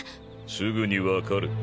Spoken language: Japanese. すぐに分かる。